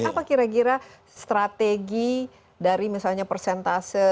apa kira kira strategi dari misalnya persentase